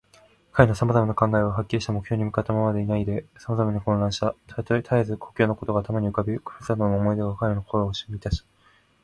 彼のさまざまな考えは、はっきりした目標に向ったままでいないで、さまざまに混乱した。たえず故郷のことが頭に浮かび、故郷の思い出が彼の心をみたした。